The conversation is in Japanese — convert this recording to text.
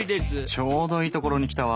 ちょうどいいところに来たわ。